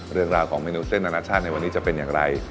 เรื่องราวของเมนูเส้นอนาชาติในวันนี้จะเป็นอย่างไร